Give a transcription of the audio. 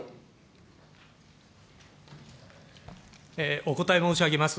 お答え申し上げます。